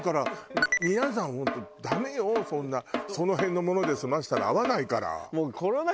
そんなその辺のもので済ませたら合わないから。